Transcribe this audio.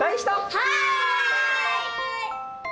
はい！